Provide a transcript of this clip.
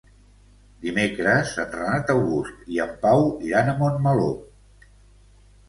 Dimecres en Renat August i en Pau iran a Montmeló.